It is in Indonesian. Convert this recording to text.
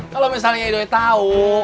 kalau misalnya idoi tahu